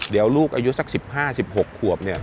เดี๋ยวลูกอายุสัก๑๕๑๖ขวบ